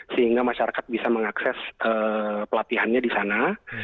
sehingga masyarakat bisa mengakses pelatihannya di sana